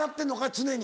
常に。